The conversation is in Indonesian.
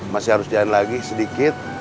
masih harus jalan lagi sedikit